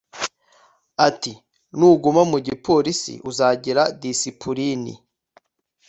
ati “nuguma mu gipolisiuzagira disipulini”